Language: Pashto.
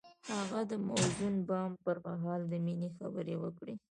هغه د موزون بام پر مهال د مینې خبرې وکړې.